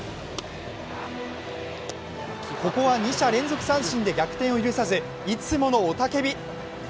ここは２者連続三振で逆転を許さずいつものおたけび。